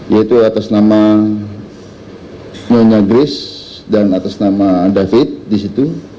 yaitu atas nama nonya grace dan atas nama david disitu